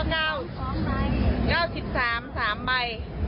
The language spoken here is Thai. ๓ใบ